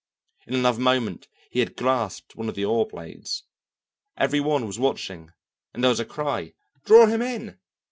In another moment he had grasped one of the oar blades. Every one was watching and there was a cry, "Draw him in!"